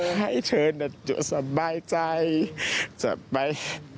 ให้เธอสบายใจจะไป